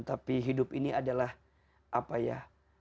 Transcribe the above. tapi hidup ini adalah apa ya